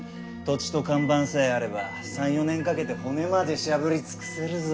土地と看板さえあれば３４年かけて骨までしゃぶり尽くせるぞ。